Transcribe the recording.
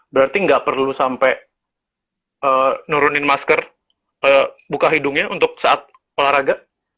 berarti nggak perlu sampai nurunin masker buka hidungnya untuk saat olahraga